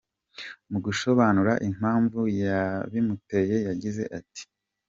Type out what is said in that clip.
Mu gusobanura impamvu yabimuteye yagize ati: .